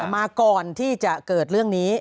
มาก่อนที่จะเกิดเรื่องนี้